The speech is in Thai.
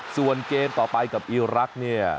ส่วนเกมต่อไปกับอีรักษ์เนี่ย